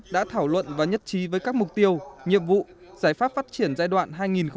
đã thảo luận và nhất trí với các mục tiêu nhiệm vụ giải pháp phát triển giai đoạn hai nghìn hai mươi hai nghìn hai mươi năm